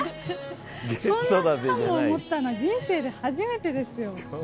こんなスパムを持ったのは、人生で初めてですよ。